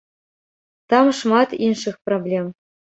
Там шмат іншых праблем.